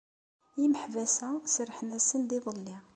Imeḥbas-a serrḥen-asen-d iḍelli.